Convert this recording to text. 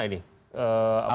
apa yang sampai mana